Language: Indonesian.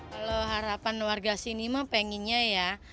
kalau harapan warga sini mah pengennya ya